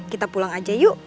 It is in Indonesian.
kita pulang aja yuk